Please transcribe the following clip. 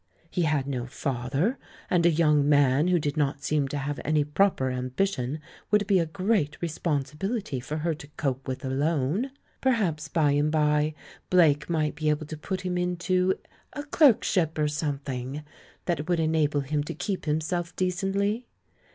He had no father, and a young man who did not seem to have any proper ambition would be a great responsibility THE LAURELS AND THE LADY 87 for her to cope with alone. Perhaps by and by Blake might be able to put him into "a clerkship or something" that would enable him to keep himself decently?